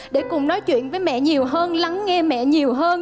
để cùng nói chuyện với mẹ nhiều hơn lắng nghe mẹ nhiều hơn